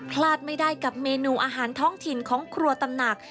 พลาดไม่ได้กับเมนูอาหารท้องถิ่นของครัวตำหนัก